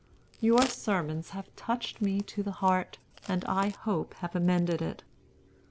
Your sermons have touched me to the heart, and I hope have amended it.